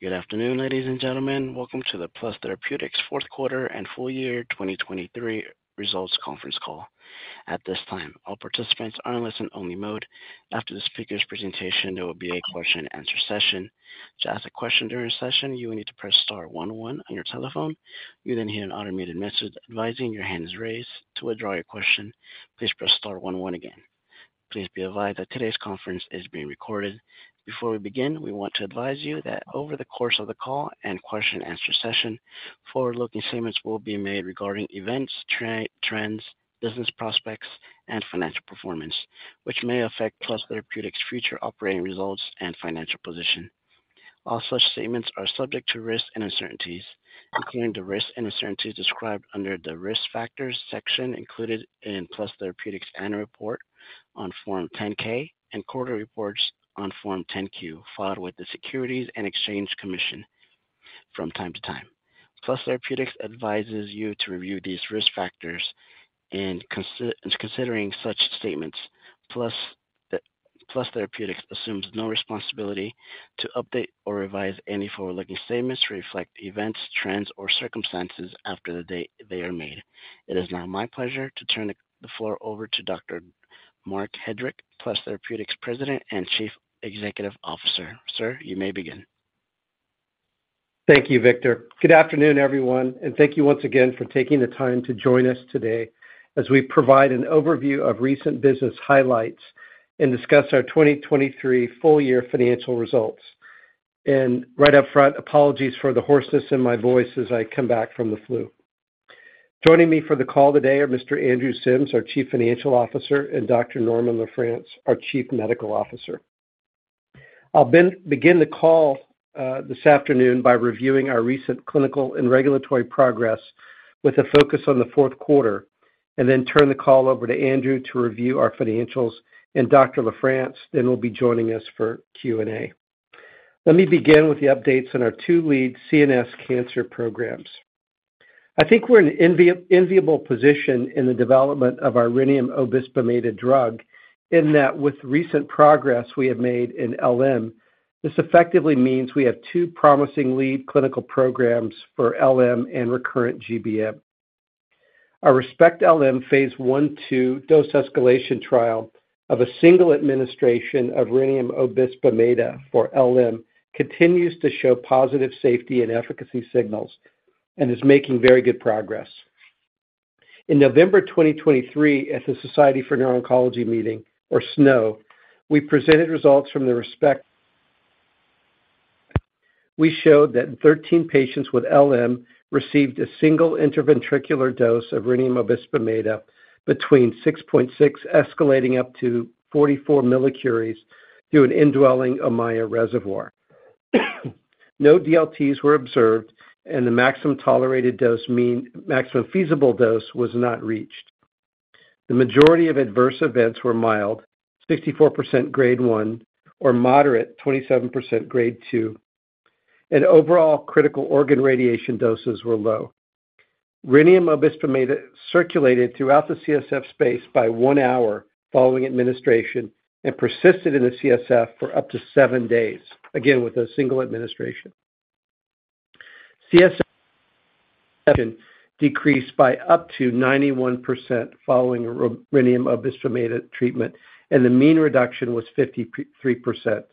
Good afternoon, ladies and gentlemen. Welcome to the Plus Therapeutics fourth quarter and full year 2023 results conference call. At this time, all participants are in listen-only mode. After the speaker's presentation, there will be a question-and-answer session. To ask a question during the session, you will need to press star 11 on your telephone. You then hear an automated message advising your hand is raised to withdraw your question. Please press star 11 again. Please be advised that today's conference is being recorded. Before we begin, we want to advise you that over the course of the call and question-and-answer session, forward-looking statements will be made regarding events, trends, business prospects, and financial performance, which may affect Plus Therapeutics' future operating results and financial position. All such statements are subject to risks and uncertainties, including the risks and uncertainties described under the risk factors section included in Plus Therapeutics' annual report on Form 10-K and quarterly reports on Form 10-Q, filed with the Securities and Exchange Commission from time to time. Plus Therapeutics advises you to review these risk factors. In considering such statements, Plus Therapeutics assumes no responsibility to update or revise any forward-looking statements to reflect events, trends, or circumstances after the day they are made. It is now my pleasure to turn the floor over to Dr. Marc H. Hedrick, Plus Therapeutics' President and Chief Executive Officer. Sir, you may begin. Thank you, Victor. Good afternoon, everyone, and thank you once again for taking the time to join us today as we provide an overview of recent business highlights and discuss our 2023 full year financial results. Right up front, apologies for the hoarseness in my voice as I come back from the flu. Joining me for the call today are Mr. Andrew Sims, our Chief Financial Officer, and Dr. Norman LaFrance, our Chief Medical Officer. I'll begin the call this afternoon by reviewing our recent clinical and regulatory progress with a focus on the fourth quarter and then turn the call over to Andrew to review our financials and Dr. LaFrance then will be joining us for Q&A. Let me begin with the updates on our two lead CNS cancer programs. I think we're in an enviable position in the development of our Rhenium (186Re) Obisbemeda drug in that with recent progress we have made in LM, this effectively means we have two promising lead clinical programs for LM and recurrent GBM. Our ReSPECT-LM phase 1/2 dose escalation trial of a single administration of Rhenium (186Re) Obisbemeda for LM continues to show positive safety and efficacy signals and is making very good progress. In November 2023, at the Society for Neuro-Oncology meeting, or SNO, we presented results from the ReSPECT-LM. We showed that 13 patients with LM received a single intraventricular dose of Rhenium (186Re) Obisbemeda between 6.6 escalating up to 44 millicuries through an indwelling Ommaya reservoir. No DLTs were observed, and the maximum tolerated dose mean maximum feasible dose was not reached. The majority of adverse events were mild, 64% grade 1, or moderate, 27% grade 2, and overall critical organ radiation doses were low. Rhenium Obisbemeda circulated throughout the CSF space by 1 hour following administration and persisted in the CSF for up to 7 days, again with a single administration. CSF decreased by up to 91% following Rhenium Obisbemeda treatment, and the mean reduction was 53%.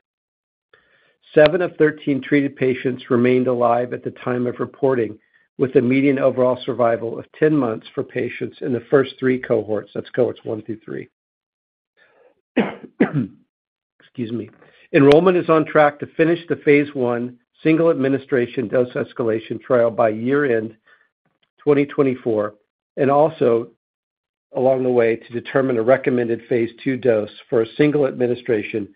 7 of 13 treated patients remained alive at the time of reporting, with a median overall survival of 10 months for patients in the first 3 cohorts, that's cohorts 1 through 3. Excuse me. Enrollment is on track to finish the phase 1 single administration dose escalation trial by year-end 2024 and also along the way to determine a recommended phase 2 dose for a single administration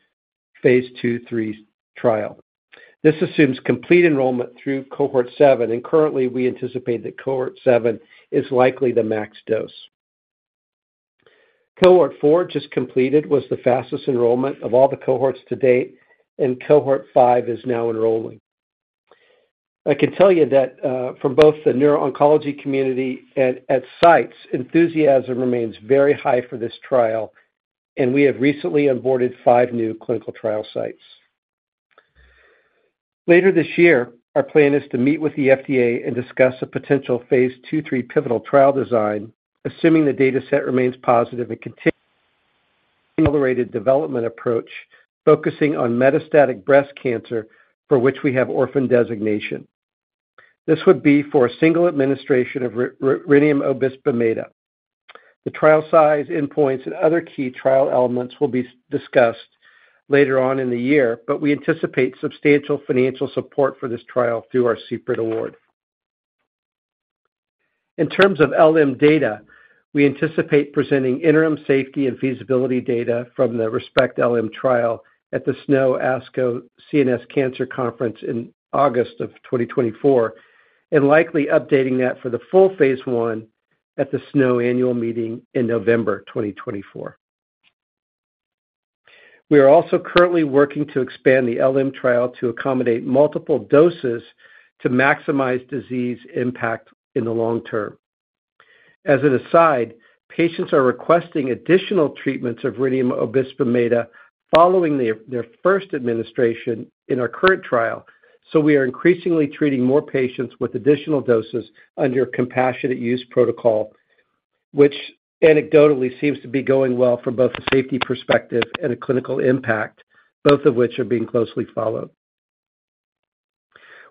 phase 2/3 trial. This assumes complete enrollment through cohort seven, and currently we anticipate that cohort seven is likely the max dose. Cohort four just completed was the fastest enrollment of all the cohorts to date, and cohort five is now enrolling. I can tell you that from both the neuro-oncology community and at sites, enthusiasm remains very high for this trial, and we have recently onboarded five new clinical trial sites. Later this year, our plan is to meet with the FDA and discuss a potential phase 2/3 pivotal trial design, assuming the dataset remains positive and continuing accelerated development approach focusing on metastatic breast cancer for which we have orphan designation. This would be for a single administration of Rhenium Obisbemeda. The trial size, endpoints, and other key trial elements will be discussed later on in the year, but we anticipate substantial financial support for this trial through our CPRIT award. In terms of LM data, we anticipate presenting interim safety and feasibility data from the ReSPECT-LM trial at the SNO/ASCO CNS Cancer Conference in August 2024 and likely updating that for the full phase 1 at the SNO annual meeting in November 2024. We are also currently working to expand the LM trial to accommodate multiple doses to maximize disease impact in the long term. As an aside, patients are requesting additional treatments of Obisbemeda following their first administration in our current trial, so we are increasingly treating more patients with additional doses under compassionate use protocol, which anecdotally seems to be going well from both a safety perspective and a clinical impact, both of which are being closely followed.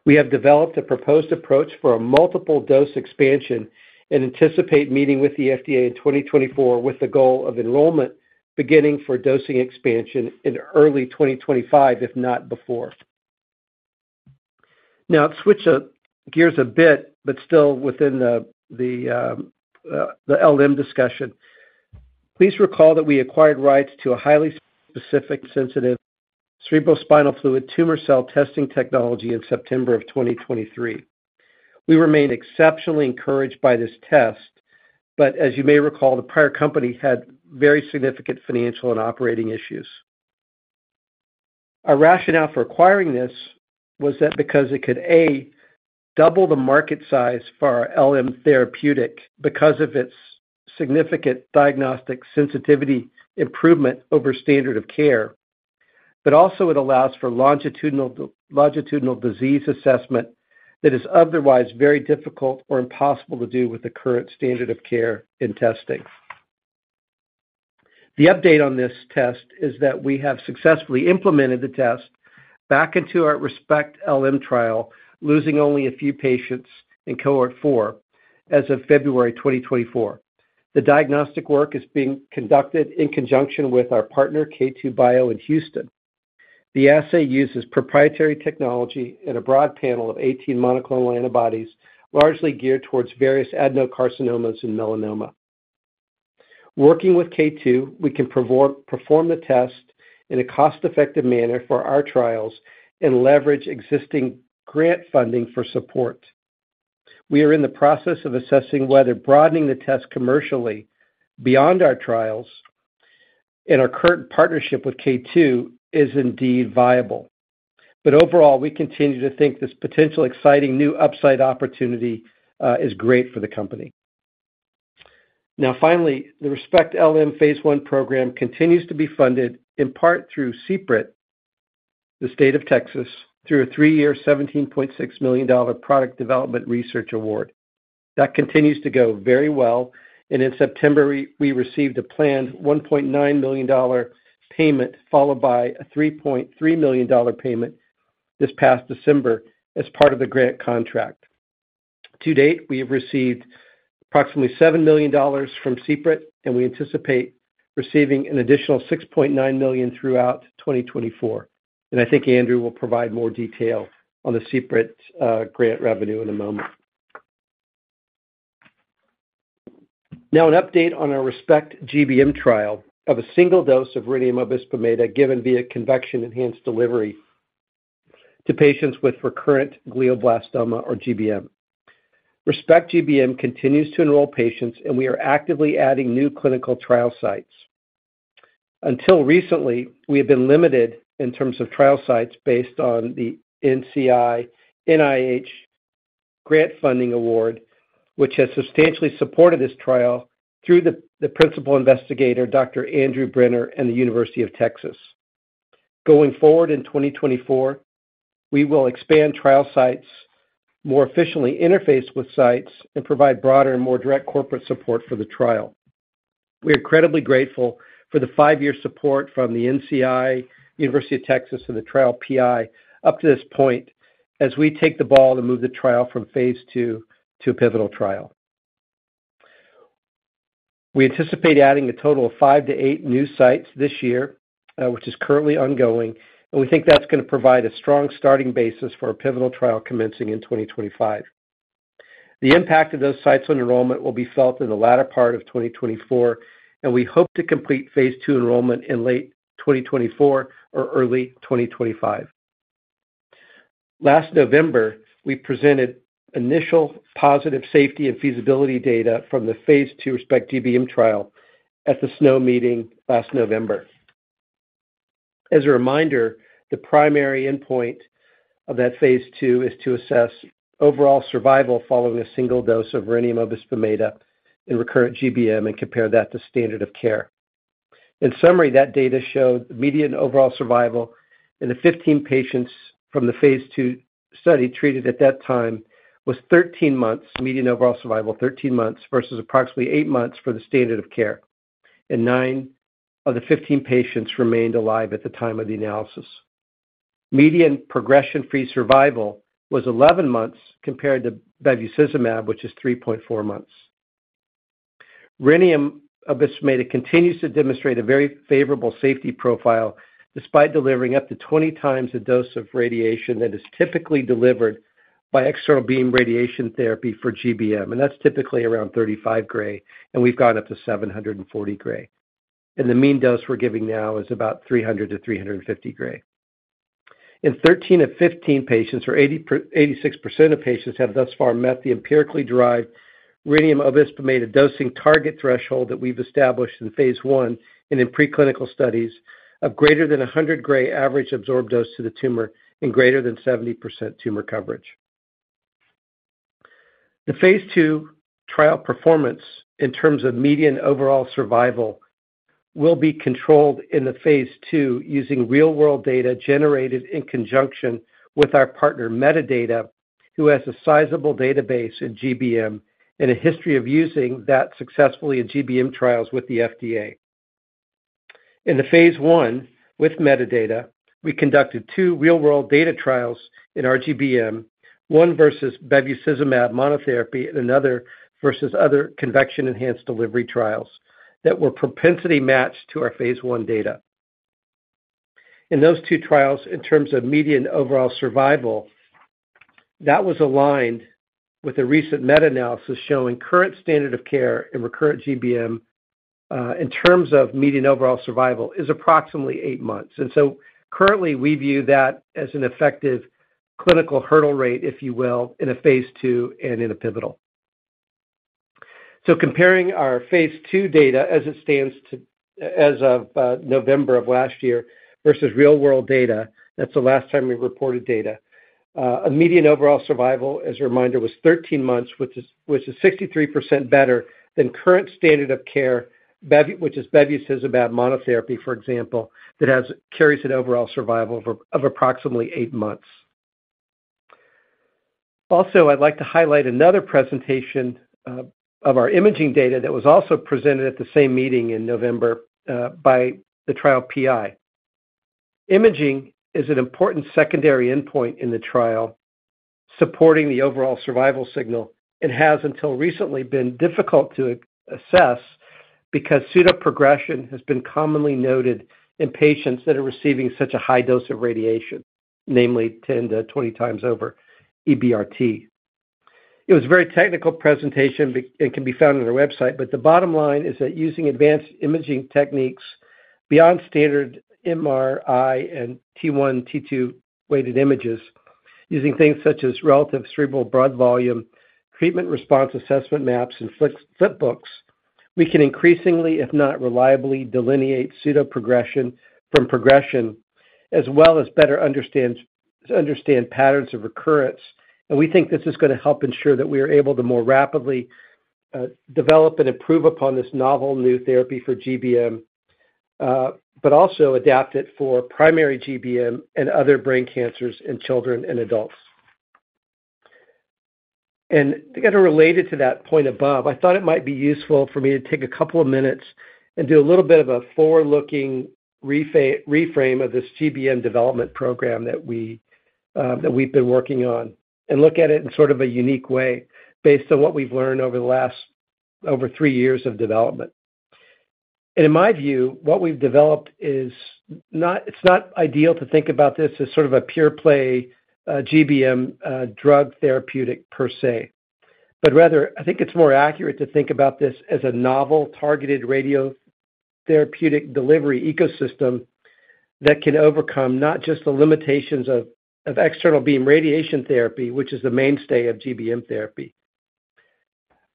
We have developed a proposed approach for a multiple dose expansion and anticipate meeting with the FDA in 2024 with the goal of enrollment beginning for dosing expansion in early 2025, if not before. Now, to switch gears a bit but still within the LM discussion, please recall that we acquired rights to a highly specific sensitive cerebrospinal fluid tumor cell testing technology in September 2023. We remain exceptionally encouraged by this test, but as you may recall, the prior company had very significant financial and operating issues. Our rationale for acquiring this was that because it could, A, double the market size for our LM therapeutic because of its significant diagnostic sensitivity improvement over standard of care, but also it allows for longitudinal disease assessment that is otherwise very difficult or impossible to do with the current standard of care and testing. The update on this test is that we have successfully implemented the test back into our ReSPECT-LM trial, losing only a few patients in cohort 4 as of February 2024. The diagnostic work is being conducted in conjunction with our partner, K2Bio, in Houston. The assay uses proprietary technology and a broad panel of 18 monoclonal antibodies, largely geared towards various adenocarcinomas and melanoma. Working with K2Bio, we can perform the test in a cost-effective manner for our trials and leverage existing grant funding for support. We are in the process of assessing whether broadening the test commercially beyond our trials and our current partnership with K2Bio is indeed viable, but overall, we continue to think this potential exciting new upside opportunity is great for the company. Now, finally, the ReSPECT-LM phase 1 program continues to be funded in part through CPRIT, the state of Texas, through a three-year $17.6 million product development research award. That continues to go very well, and in September, we received a planned $1.9 million payment followed by a $3.3 million payment this past December as part of the grant contract. To date, we have received approximately $7 million from CPRIT, and we anticipate receiving an additional $6.9 million throughout 2024, and I think Andrew will provide more detail on the CPRIT grant revenue in a moment. Now, an update on our ReSPECT-GBM trial of a single dose of Rhenium Obisbemeda given via convection-enhanced delivery to patients with recurrent glioblastoma or GBM. ReSPECT-GBM continues to enroll patients, and we are actively adding new clinical trial sites. Until recently, we have been limited in terms of trial sites based on the NCI NIH grant funding award, which has substantially supported this trial through the principal investigator, Dr. Andrew Brenner, and the University of Texas. Going forward in 2024, we will expand trial sites, more efficiently interface with sites, and provide broader and more direct corporate support for the trial. We are incredibly grateful for the 5-year support from the NCI, University of Texas, and the trial PI up to this point as we take the ball to move the trial from phase 2 to a pivotal trial. We anticipate adding a total of 5-8 new sites this year, which is currently ongoing, and we think that's going to provide a strong starting basis for a pivotal trial commencing in 2025. The impact of those sites on enrollment will be felt in the latter part of 2024, and we hope to complete phase 2 enrollment in late 2024 or early 2025. Last November, we presented initial positive safety and feasibility data from the phase 2 ReSPECT-GBM trial at the SNO meeting last November. As a reminder, the primary endpoint of that phase 2 is to assess overall survival following a single dose of Rhenium (186Re) Obisbemeda and recurrent GBM and compare that to standard of care. In summary, that data showed median overall survival in the 15 patients from the phase 2 study treated at that time was 13 months, median overall survival 13 months versus approximately 8 months for the standard of care, and 9 of the 15 patients remained alive at the time of the analysis. Median progression-free survival was 11 months compared to bevacizumab, which is 3.4 months. Rhenium Obisbemeda continues to demonstrate a very favorable safety profile despite delivering up to 20 times the dose of radiation that is typically delivered by external beam radiation therapy for GBM, and that's typically around 35 gray, and we've gone up to 740 gray. The mean dose we're giving now is about 300-350 gray. In 13 of 15 patients, or 86% of patients have thus far met the empirically derived Rhenium Obisbemeda dosing target threshold that we've established in phase 1 and in preclinical studies of greater than 100 gray average absorbed dose to the tumor and greater than 70% tumor coverage. The phase 2 trial performance in terms of median overall survival will be controlled in the phase 2 using real-world data generated in conjunction with our partner Medidata, who has a sizable database in GBM and a history of using that successfully in GBM trials with the FDA. In the phase 1 with Medidata, we conducted two real-world data trials in our GBM, one versus bevacizumab monotherapy and another versus other convection-enhanced delivery trials that were propensity matched to our phase 1 data. In those two trials, in terms of median overall survival, that was aligned with a recent meta-analysis showing current standard of care and recurrent GBM in terms of median overall survival is approximately eight months. So currently, we view that as an effective clinical hurdle rate, if you will, in a phase 2 and in a pivotal. Comparing our phase 2 data as it stands as of November of last year versus real-world data, that's the last time we reported data, the median overall survival, as a reminder, was 13 months, which is 63% better than current standard of care, which is bevacizumab monotherapy, for example, that carries an overall survival of approximately 8 months. Also, I'd like to highlight another presentation of our imaging data that was also presented at the same meeting in November by the trial PI. Imaging is an important secondary endpoint in the trial supporting the overall survival signal and has until recently been difficult to assess because pseudoprogression has been commonly noted in patients that are receiving such a high dose of radiation, namely 10-20 times over EBRT. It was a very technical presentation and can be found on our website, but the bottom line is that using advanced imaging techniques beyond standard MRI and T1, T2 weighted images, using things such as relative cerebral blood volume, treatment response assessment maps, and flipbooks, we can increasingly, if not reliably, delineate pseudoprogression from progression as well as better understand patterns of recurrence. And we think this is going to help ensure that we are able to more rapidly develop and improve upon this novel new therapy for GBM, but also adapt it for primary GBM and other brain cancers in children and adults. And to get related to that point above, I thought it might be useful for me to take a couple of minutes and do a little bit of a forward-looking reframe of this GBM development program that we've been working on and look at it in sort of a unique way based on what we've learned over the last 3 years of development. In my view, what we've developed is not, it's not ideal to think about this as sort of a pure-play GBM drug therapeutic per se, but rather, I think it's more accurate to think about this as a novel targeted radiotherapeutic delivery ecosystem that can overcome not just the limitations of external beam radiation therapy, which is the mainstay of GBM therapy.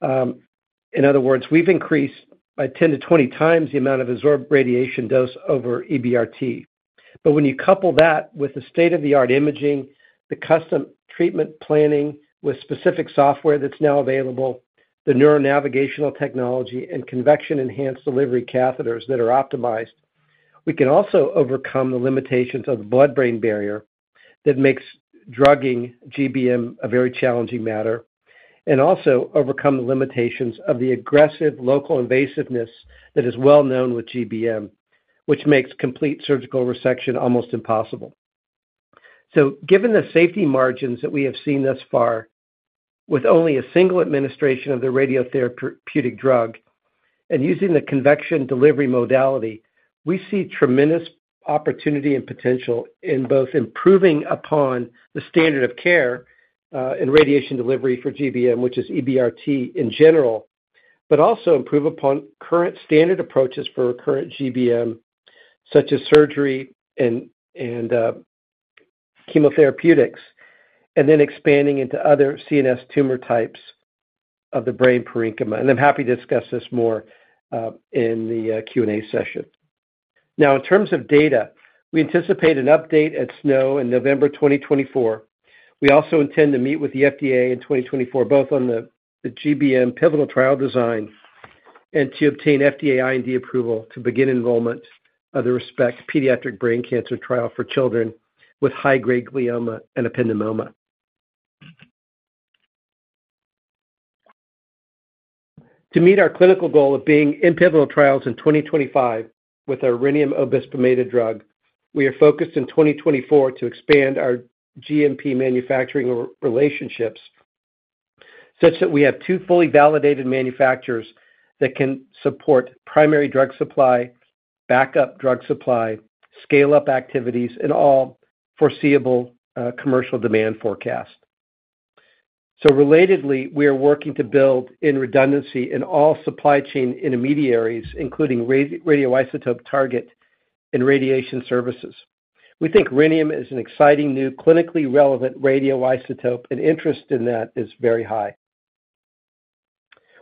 In other words, we've increased by 10-20 times the amount of absorbed radiation dose over EBRT. But when you couple that with the state-of-the-art imaging, the custom treatment planning with specific software that's now available, the neuronavigational technology, and convection-enhanced delivery catheters that are optimized, we can also overcome the limitations of the blood-brain barrier that makes drugging GBM a very challenging matter and also overcome the limitations of the aggressive local invasiveness that is well known with GBM, which makes complete surgical resection almost impossible. So given the safety margins that we have seen thus far with only a single administration of the radiotherapeutic drug and using the convection delivery modality, we see tremendous opportunity and potential in both improving upon the standard of care and radiation delivery for GBM, which is EBRT in general, but also improve upon current standard approaches for recurrent GBM such as surgery and chemotherapeutics, and then expanding into other CNS tumor types of the brain parenchyma. I'm happy to discuss this more in the Q&A session. Now, in terms of data, we anticipate an update at SNO in November 2024. We also intend to meet with the FDA in 2024 both on the GBM pivotal trial design and to obtain FDA IND approval to begin enrollment of the ReSPECT-Pediatric brain cancer trial for children with high-grade glioma and ependymoma. To meet our clinical goal of being in pivotal trials in 2025 with our Rhenium Obisbemeda drug, we are focused in 2024 to expand our GMP manufacturing relationships such that we have two fully validated manufacturers that can support primary drug supply, backup drug supply, scale-up activities, and all foreseeable commercial demand forecast. So relatedly, we are working to build in redundancy in all supply chain intermediaries, including radioisotope target and radiation services. We think Rhenium is an exciting new clinically relevant radioisotope, and interest in that is very high.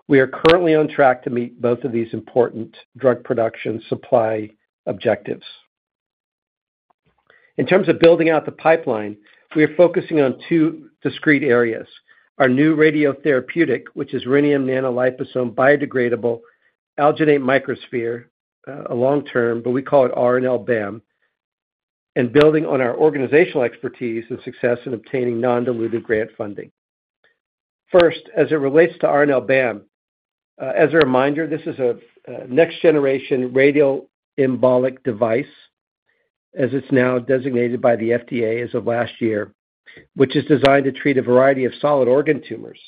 We are currently on track to meet both of these important drug production supply objectives. In terms of building out the pipeline, we are focusing on two discrete areas: our new radiotherapeutic, which is Rhenium nanoliposome biodegradable alginate microsphere long-term, but we call it RNLBAM, and building on our organizational expertise and success in obtaining non-diluted grant funding. First, as it relates to RNLBAM, as a reminder, this is a next-generation radioembolic device as it's now designated by the FDA as of last year, which is designed to treat a variety of solid organ tumors.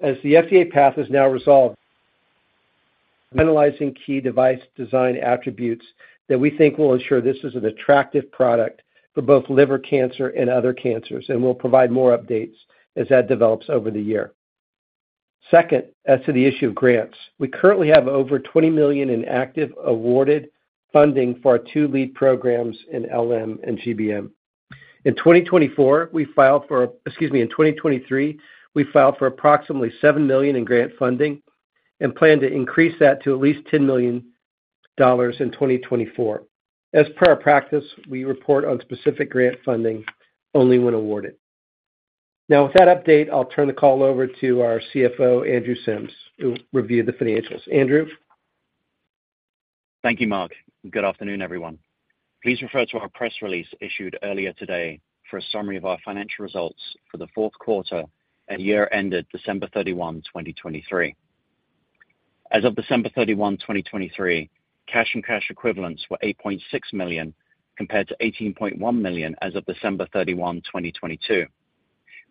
As the FDA path is now resolved. Analyzing key device design attributes that we think will ensure this is an attractive product for both liver cancer and other cancers, and we'll provide more updates as that develops over the year. Second, as to the issue of grants, we currently have over $20 million in active awarded funding for our two lead programs in LM and GBM. In 2024, we filed for excuse me, in 2023, we filed for approximately $7 million in grant funding and plan to increase that to at least $10 million in 2024. As per our practice, we report on specific grant funding only when awarded. Now, with that update, I'll turn the call over to our CFO, Andrew Sims, who reviewed the financials. Andrew. Thank you, Mark. Good afternoon, everyone. Please refer to our press release issued earlier today for a summary of our financial results for the fourth quarter at year-ended December 31, 2023. As of December 31, 2023, cash and cash equivalents were $8.6 million compared to $18.1 million as of December 31, 2022.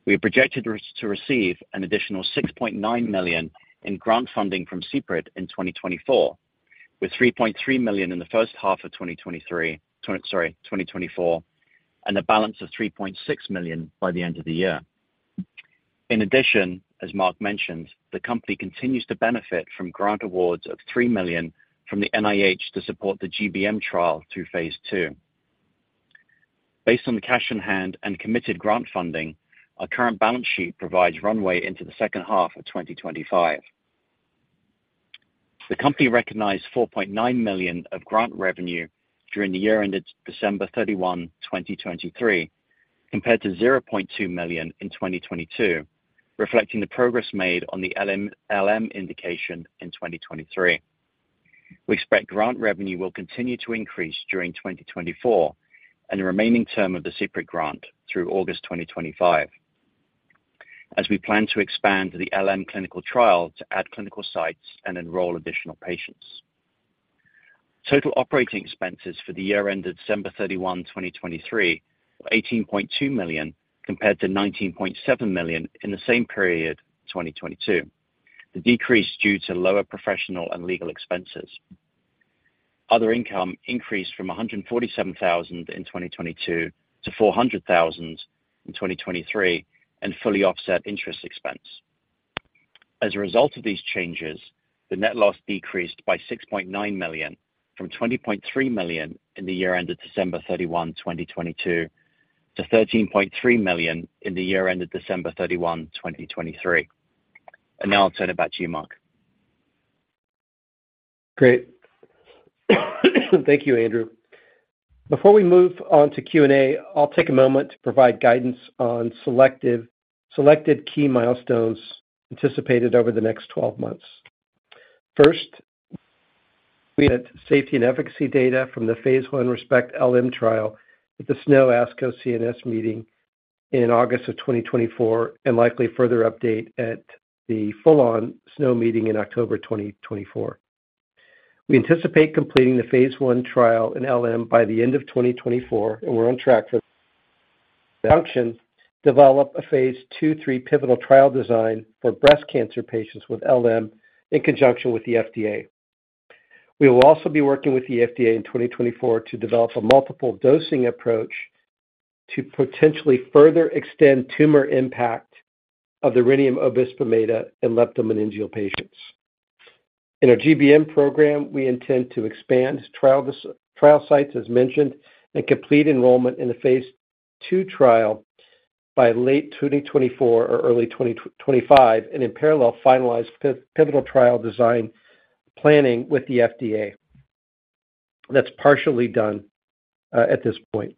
We are projected to receive an additional $6.9 million in grant funding from CPRIT in 2024, with $3.3 million in the first half of 2023 sorry, 2024, and a balance of $3.6 million by the end of the year. In addition, as Marc mentioned, the company continues to benefit from grant awards of $3 million from the NIH to support the GBM trial through phase 2. Based on the cash in hand and committed grant funding, our current balance sheet provides runway into the second half of 2025. The company recognized $4.9 million of grant revenue during the year-ended December 31, 2023, compared to $0.2 million in 2022, reflecting the progress made on the LM indication in 2023. We expect grant revenue will continue to increase during 2024 and the remaining term of the CPRIT grant through August 2025, as we plan to expand the LM clinical trial to add clinical sites and enroll additional patients. Total operating expenses for the year-ended December 31, 2023, were $18.2 million compared to $19.7 million in the same period, 2022, the decrease due to lower professional and legal expenses. Other income increased from $147,000 in 2022 to $400,000 in 2023 and fully offset interest expense. As a result of these changes, the net loss decreased by $6.9 million from $20.3 million in the year-ended December 31, 2022, to $13.3 million in the year-ended December 31, 2023. Now I'll turn it back to you, Marc. Great. Thank you, Andrew. Before we move on to Q&A, I'll take a moment to provide guidance on selected key milestones anticipated over the next 12 months. First, we have safety and efficacy data from the phase 1 ReSPECT-LM trial at the SNO ASCO CNS meeting in August of 2024 and likely further update at the full-on SNO meeting in October 2024. We anticipate completing the phase 1 trial in LM by the end of 2024, and we're on track for that in conjunction to develop a phase 2/3 pivotal trial design for breast cancer patients with LM in conjunction with the FDA. We will also be working with the FDA in 2024 to develop a multiple dosing approach to potentially further extend tumor impact of the Rhenium Obisbemeda and leptomeningeal patients. In our GBM program, we intend to expand trial sites, as mentioned, and complete enrollment in the phase 2 trial by late 2024 or early 2025 and in parallel finalize pivotal trial design planning with the FDA. That's partially done at this point.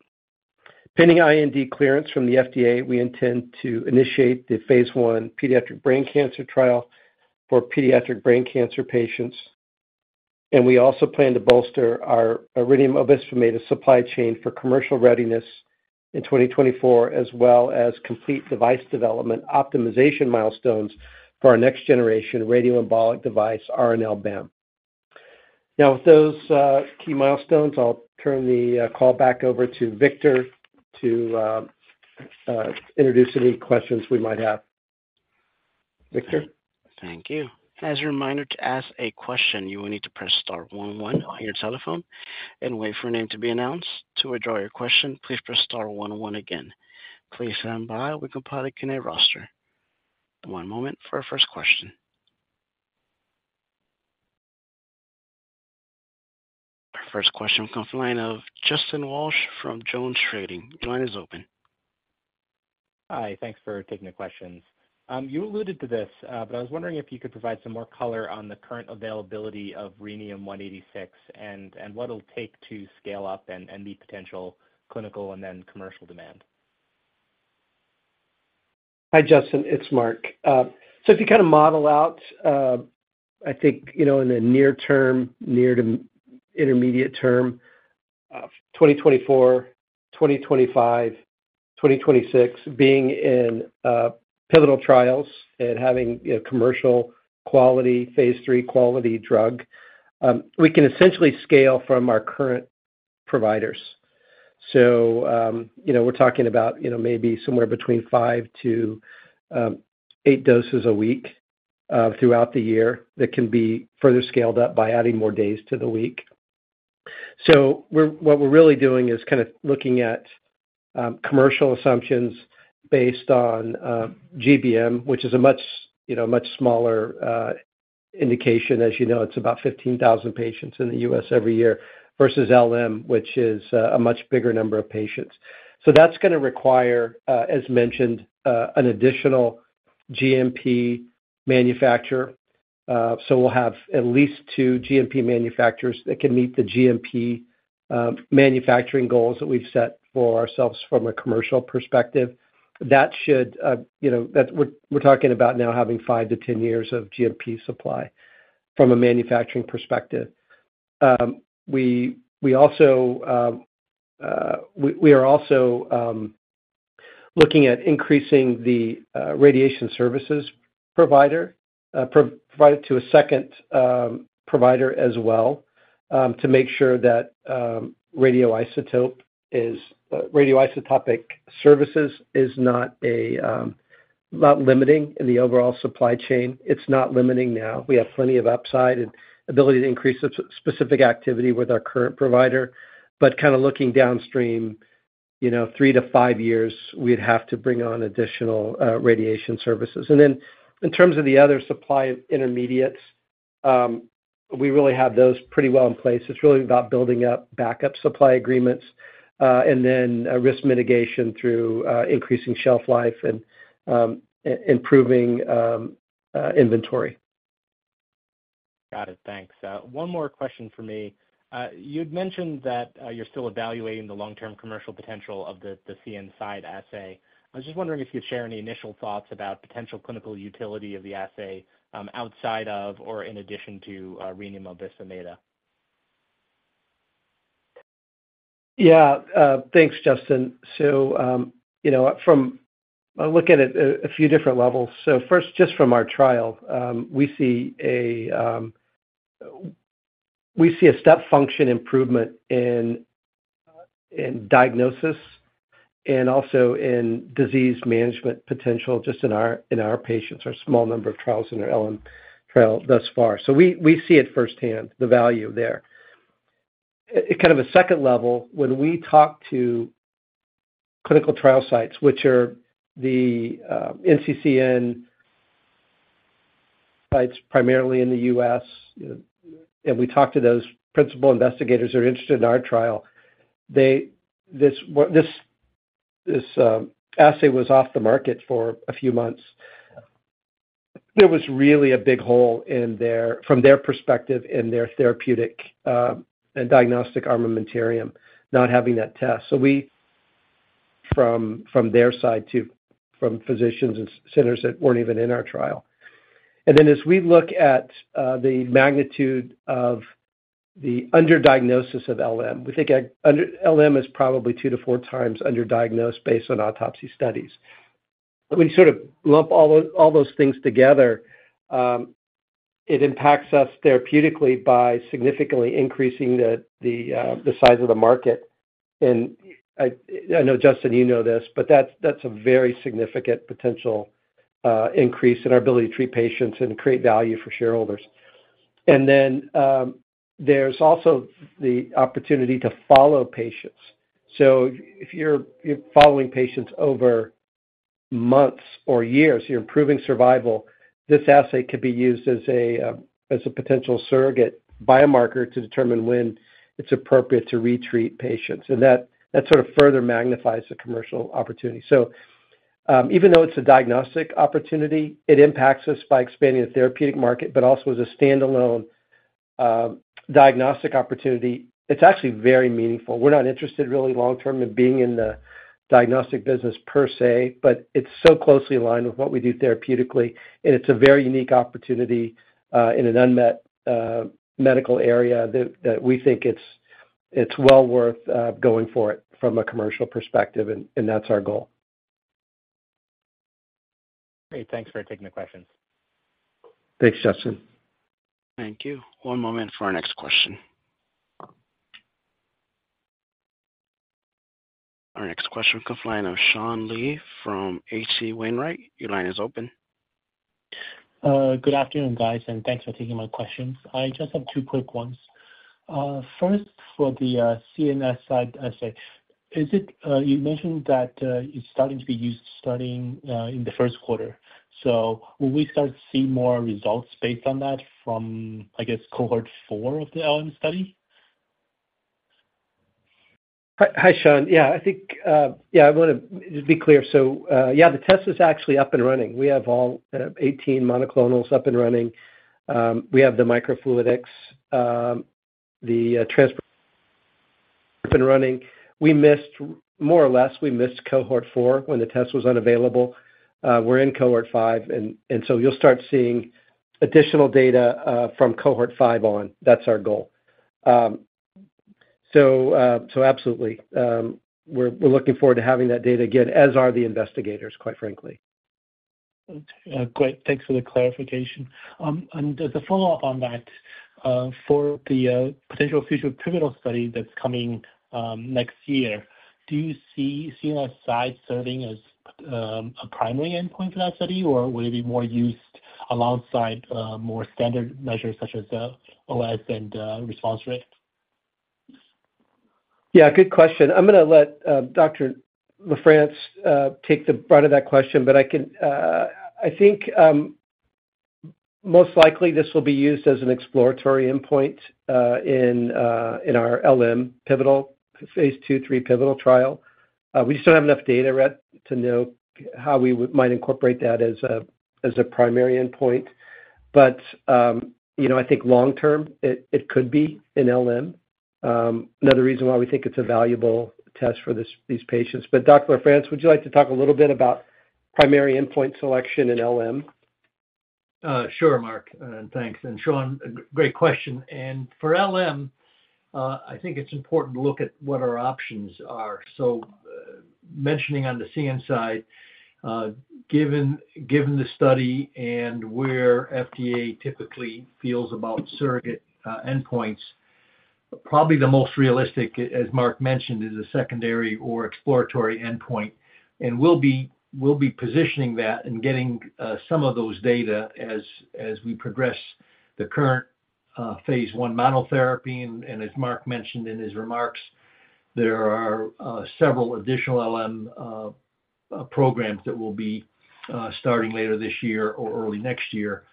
Pending IND clearance from the FDA, we intend to initiate the phase 1 pediatric brain cancer trial for pediatric brain cancer patients. We also plan to bolster our Rhenium Obisbemeda supply chain for commercial readiness in 2024 as well as complete device development optimization milestones for our next-generation radioembolic device, 186RNL-BAM. Now, with those key milestones, I'll turn the call back over to Victor to introduce any questions we might have. Victor. Thank you. As a reminder, to ask a question, you will need to press star 11 on your telephone and wait for a name to be announced. To withdraw your question, please press star 11 again. Please stand by. We can probably connect roster. One moment for our first question. Our first question will come from the line of Justin Walsh from JonesTrading. Your line is open. Hi. Thanks for taking the questions. You alluded to this, but I was wondering if you could provide some more color on the current availability of Rhenium-186 and what it'll take to scale up and meet potential clinical and then commercial demand. Hi, Justin. It's Marc. So if you kind of model out, I think, in the near term, near to intermediate term, 2024, 2025, 2026, being in pivotal trials and having a commercial quality, phase 3 quality drug, we can essentially scale from our current providers. So we're talking about maybe somewhere between 5-8 doses a week throughout the year that can be further scaled up by adding more days to the week. So what we're really doing is kind of looking at commercial assumptions based on GBM, which is a much smaller indication. As you know, it's about 15,000 patients in the U.S. every year versus LM, which is a much bigger number of patients. So that's going to require, as mentioned, an additional GMP manufacturer. So we'll have at least two GMP manufacturers that can meet the GMP manufacturing goals that we've set for ourselves from a commercial perspective. That should, we're talking about now having 5-10 years of GMP supply from a manufacturing perspective. We are also looking at increasing the radiation services provider to a second provider as well to make sure that radioisotopic services is not limiting in the overall supply chain. It's not limiting now. We have plenty of upside and ability to increase specific activity with our current provider. But kind of looking downstream, 3-5 years, we'd have to bring on additional radiation services. And then in terms of the other supply intermediates, we really have those pretty well in place. It's really about building up backup supply agreements and then risk mitigation through increasing shelf life and improving inventory. Got it. Thanks. One more question for me. You had mentioned that you're still evaluating the long-term commercial potential of the CNSide assay. I was just wondering if you'd share any initial thoughts about potential clinical utility of the assay outside of or in addition to Rhenium Obisbemeda? Yeah. Thanks, Justin. So I'll look at it a few different levels. So first, just from our trial, we see a step function improvement in diagnosis and also in disease management potential just in our patients, our small number of trials in our LM trial thus far. So we see it firsthand, the value there. Kind of a second level, when we talk to clinical trial sites, which are the NCCN sites primarily in the U.S., and we talk to those principal investigators that are interested in our trial, this assay was off the market for a few months. There was really a big hole from their perspective in their therapeutic and diagnostic armamentarium, not having that test. So we. From their side too, from physicians and centers that weren't even in our trial. As we look at the magnitude of the underdiagnosis of LM, we think LM is probably 2-4 times underdiagnosed based on autopsy studies. When you sort of lump all those things together, it impacts us therapeutically by significantly increasing the size of the market. And I know, Justin, you know this, but that's a very significant potential increase in our ability to treat patients and create value for shareholders. And then there's also the opportunity to follow patients. So if you're following patients over months or years, you're improving survival, this assay could be used as a potential surrogate biomarker to determine when it's appropriate to retreat patients. And that sort of further magnifies the commercial opportunity. So even though it's a diagnostic opportunity, it impacts us by expanding the therapeutic market, but also as a standalone diagnostic opportunity, it's actually very meaningful. We're not interested really long-term in being in the diagnostic business per se, but it's so closely aligned with what we do therapeutically, and it's a very unique opportunity in an unmet medical area that we think it's well worth going for it from a commercial perspective, and that's our goal. Great. Thanks for taking the questions. Thanks, Justin. Thank you. One moment for our next question. Our next question will come from the line of Sean Lee from H.C. Wainwright. Your line is open. Good afternoon, guys, and thanks for taking my questions. I just have two quick ones. First, for the CNSide assay, you mentioned that it's starting to be used starting in the first quarter. So will we start to see more results based on that from, I guess, cohort four of the LM study? Hi, Sean. Yeah. I think, yeah, I want to just be clear. So yeah, the test is actually up and running. We have all 18 monoclonals up and running. We have the microfluidics, the transfer. It's up and running. More or less, we missed cohort 4 when the test was unavailable. We're in cohort 5, and so you'll start seeing additional data from cohort 5 on. That's our goal. So absolutely. We're looking forward to having that data again, as are the investigators, quite frankly. Okay. Great. Thanks for the clarification. As a follow-up on that, for the potential future pivotal study that's coming next year, do you see CNSide serving as a primary endpoint for that study, or will it be more used alongside more standard measures such as OS and response rate? Yeah. Good question. I'm going to let Dr. LaFrance take the brunt of that question, but I think most likely this will be used as an exploratory endpoint in our LM pivotal, phase 2/3 pivotal trial. We just don't have enough data yet to know how we might incorporate that as a primary endpoint. But I think long-term, it could be in LM, another reason why we think it's a valuable test for these patients. But Dr. LaFrance, would you like to talk a little bit about primary endpoint selection in LM? Sure, Mark. And thanks. And Sean, great question. And for LM, I think it's important to look at what our options are. So mentioning on the CNSide, given the study and where FDA typically feels about surrogate endpoints, probably the most realistic, as Mark mentioned, is a secondary or exploratory endpoint. And we'll be positioning that and getting some of those data as we progress the current phase 1 monotherapy. And as Mark mentioned in his remarks, there are several additional LM programs that will be starting later this year or early next year.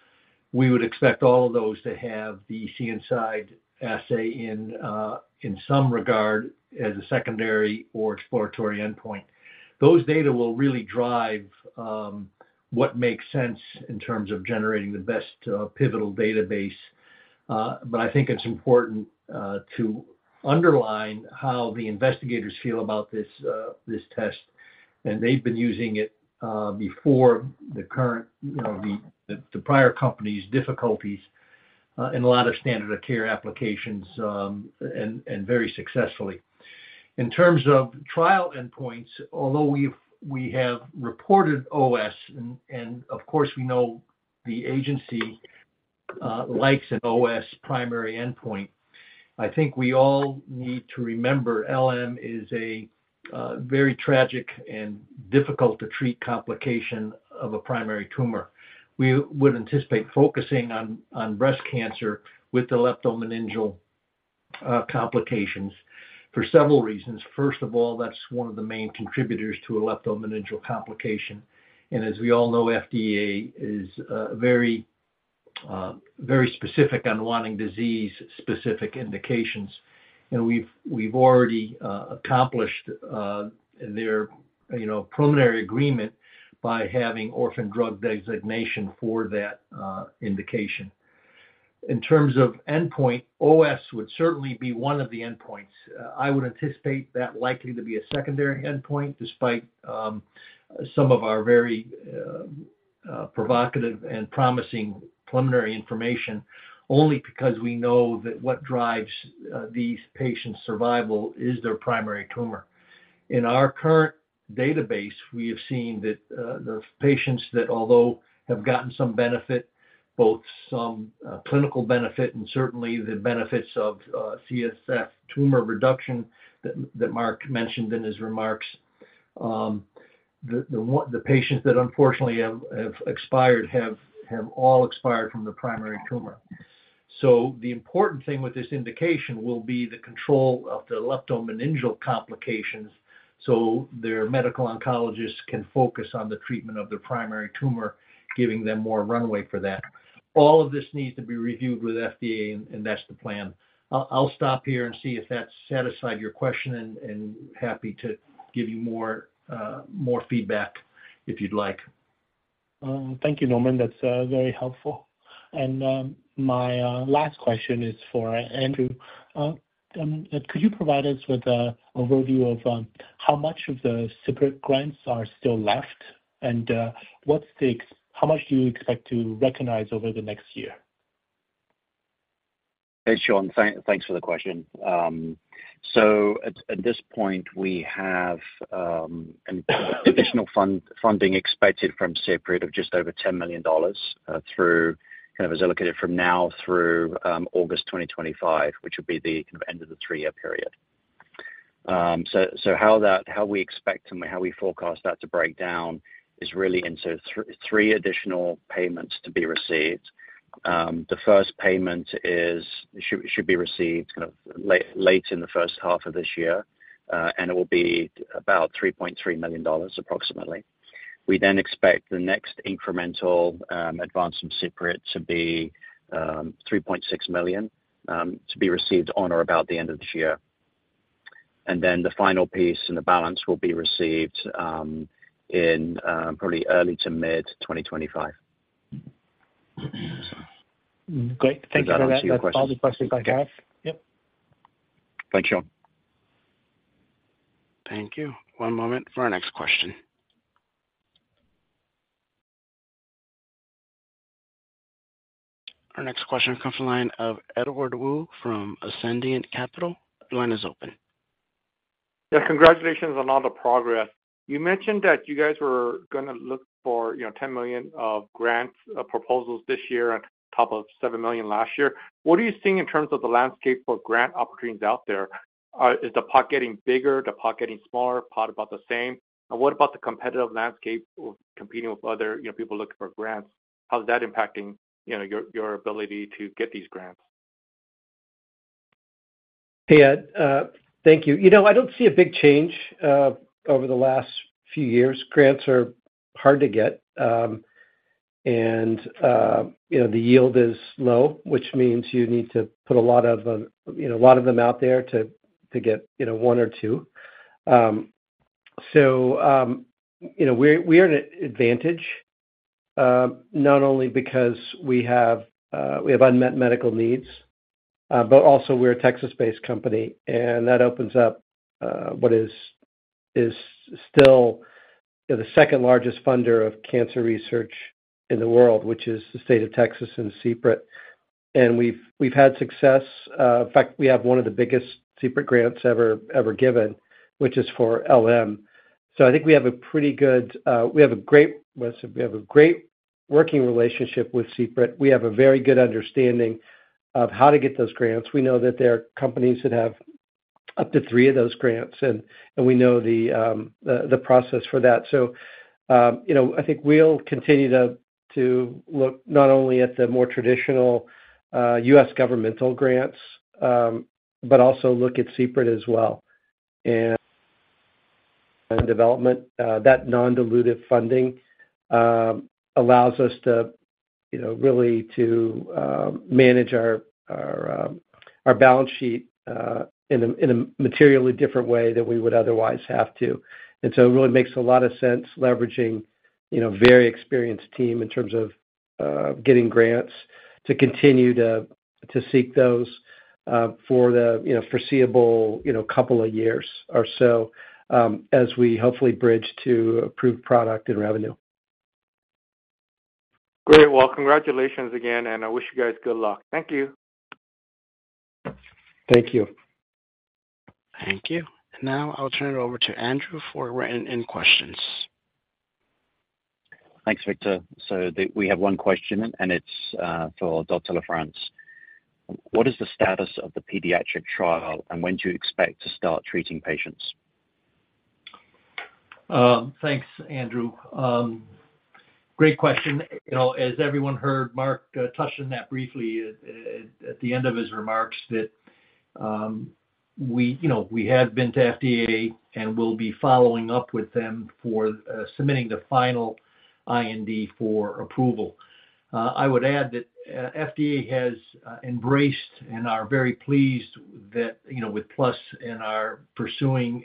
We would expect all of those to have the CNSide assay in some regard as a secondary or exploratory endpoint. Those data will really drive what makes sense in terms of generating the best pivotal database. But I think it's important to underline how the investigators feel about this test. They've been using it before the current, the prior company's difficulties in a lot of standard of care applications and very successfully. In terms of trial endpoints, although we have reported OS, and of course, we know the agency likes an OS primary endpoint, I think we all need to remember LM is a very tragic and difficult-to-treat complication of a primary tumor. We would anticipate focusing on breast cancer with the leptomeningeal complications for several reasons. First of all, that's one of the main contributors to a leptomeningeal complication. And as we all know, FDA is very specific on wanting disease-specific indications. And we've already accomplished their preliminary agreement by having Orphan Drug Designation for that indication. In terms of endpoint, OS would certainly be one of the endpoints. I would anticipate that likely to be a secondary endpoint despite some of our very provocative and promising preliminary information only because we know that what drives these patients' survival is their primary tumor. In our current database, we have seen that the patients that although have gotten some benefit, both some clinical benefit and certainly the benefits of CSF tumor reduction that Marc mentioned in his remarks, the patients that unfortunately have expired have all expired from the primary tumor. So the important thing with this indication will be the control of the leptomeningeal complications so their medical oncologists can focus on the treatment of their primary tumor, giving them more runway for that. All of this needs to be reviewed with FDA, and that's the plan. I'll stop here and see if that satisfied your question, and happy to give you more feedback if you'd like. Thank you, Norman. That's very helpful. My last question is for Andrew. Could you provide us with an overview of how much of the CPRIT grants are still left, and how much do you expect to recognize over the next year? Hey, Sean. Thanks for the question. So at this point, we have additional funding expected from CPRIT of just over $10 million kind of as allocated from now through August 2025, which would be the kind of end of the three-year period. So how we expect and how we forecast that to break down is really in three additional payments to be received. The first payment should be received kind of late in the first half of this year, and it will be about $3.3 million approximately. We then expect the next incremental advance from CPRIT to be $3.6 million to be received on or about the end of this year. And then the final piece and the balance will be received in probably early to mid-2025. Great. Thank you for that. That's all the questions I have. Yep. Thanks, Sean. Thank you. One moment for our next question. Our next question will come from the line of Edward Woo from Ascendiant Capital. Your line is open. Yeah. Congratulations on all the progress. You mentioned that you guys were going to look for $10 million of grant proposals this year on top of $7 million last year. What are you seeing in terms of the landscape for grant opportunities out there? Is the pot getting bigger? The pot getting smaller? Pot about the same? And what about the competitive landscape competing with other people looking for grants? How's that impacting your ability to get these grants? Hey, Ed. Thank you. I don't see a big change over the last few years. Grants are hard to get, and the yield is low, which means you need to put a lot of them out there to get one or two. So we are in an advantage not only because we have unmet medical needs, but also we're a Texas-based company, and that opens up what is still the second-largest funder of cancer research in the world, which is the state of Texas and CPRIT. And we've had success. In fact, we have one of the biggest CPRIT grants ever given, which is for LM. So I think we have a great working relationship with CPRIT. We have a very good understanding of how to get those grants. We know that there are companies that have up to three of those grants, and we know the process for that. So I think we'll continue to look not only at the more traditional U.S. governmental grants, but also look at CPRIT as well and development. That non-dilutive funding allows us really to manage our balance sheet in a materially different way than we would otherwise have to. And so it really makes a lot of sense leveraging a very experienced team in terms of getting grants to continue to seek those for the foreseeable couple of years or so as we hopefully bridge to approved product and revenue. Great. Well, congratulations again, and I wish you guys good luck. Thank you. Thank you. Thank you. Now I'll turn it over to Andrew for written-in questions. Thanks, Victor. So we have one question, and it's for Dr. LaFrance. What is the status of the pediatric trial, and when do you expect to start treating patients? Thanks, Andrew. Great question. As everyone heard Marc touching that briefly at the end of his remarks that we have been to FDA and will be following up with them for submitting the final IND for approval. I would add that FDA has embraced, and are very pleased with Plus and are pursuing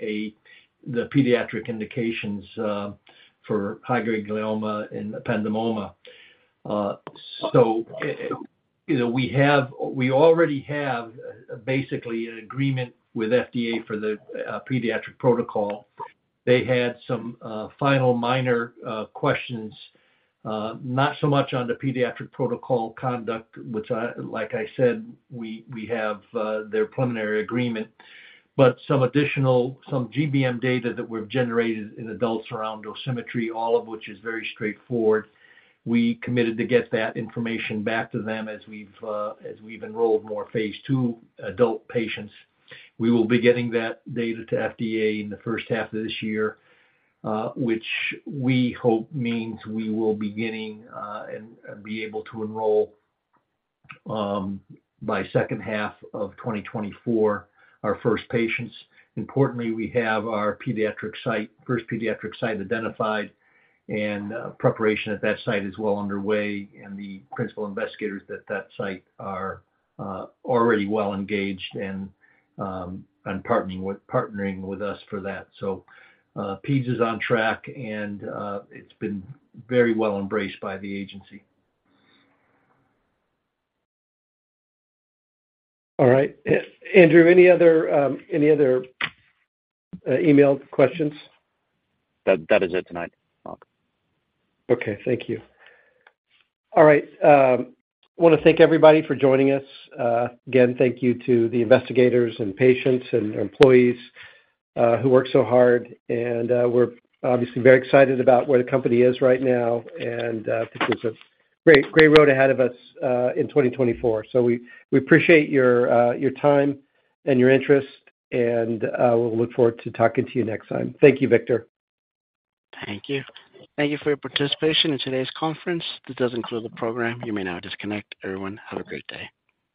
the pediatric indications for high-grade glioma and ependymoma. So we already have basically an agreement with FDA for the pediatric protocol. They had some final minor questions, not so much on the pediatric protocol conduct, which, like I said, we have their preliminary agreement, but some additional GBM data that were generated in adults around dosimetry, all of which is very straightforward. We committed to get that information back to them as we've enrolled more phase 2 adult patients. We will be getting that data to FDA in the first half of this year, which we hope means we will be beginning and be able to enroll by second half of 2024 our first patients. Importantly, we have our first pediatric site identified, and preparation at that site is well underway, and the principal investigators at that site are already well engaged and partnering with us for that. So PEDS is on track, and it's been very well embraced by the agency. All right. Andrew, any other email questions? That is it tonight, Marc. Okay. Thank you. All right. I want to thank everybody for joining us. Again, thank you to the investigators and patients and employees who work so hard. And we're obviously very excited about where the company is right now, and I think there's a great road ahead of us in 2024. So we appreciate your time and your interest, and we'll look forward to talking to you next time. Thank you, Victor. Thank you. Thank you for your participation in today's conference. This concludes the program. You may now disconnect. Everyone, have a great day.